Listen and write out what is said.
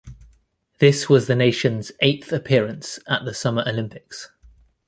This was the nation's eighth appearance at the Summer Olympics.